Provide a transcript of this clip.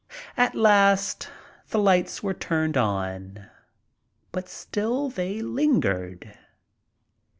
At last the lights were turned out, but still they lingered.